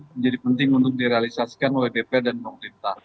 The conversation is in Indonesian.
menjadi penting untuk direalisasikan oleh bp dan pemerintah